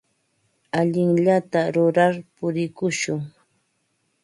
Allinllata rurar purikushun.